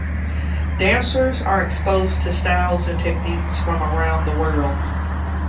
Dancers are exposed to styles and techniques from around the world.